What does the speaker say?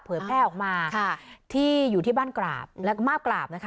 แพร่ออกมาค่ะที่อยู่ที่บ้านกราบแล้วก็มาบกราบนะคะ